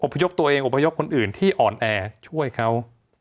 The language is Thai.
พยพตัวเองอพยพคนอื่นที่อ่อนแอช่วยเขา